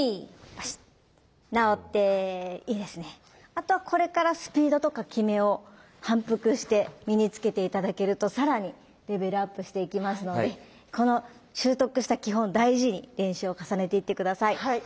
あとこれからスピードとか極めを反復して身につけて頂けると更にレベルアップしていきますのでこの修得した基本を大事に練習を重ねていって下さい。